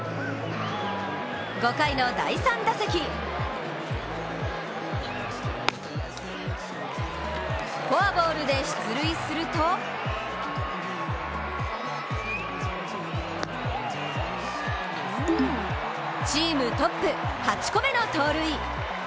５回の第３打席、フォアボールで出塁するとチームトップ、８個目の盗塁。